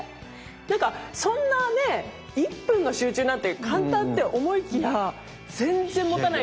何かそんなね１分の集中なんて簡単って思いきや全然もたないですよね。